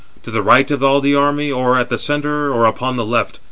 To the right of all the army, or at the centre, or upon the left?